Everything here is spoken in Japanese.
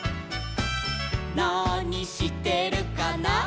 「なにしてるかな」